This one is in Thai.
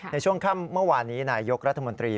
ในช่วงค่ำเมื่อวานนี้นายยกรัฐมนตรี